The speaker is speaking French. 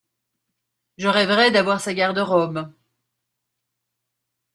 Je rêverais d'avoir sa garde-robe.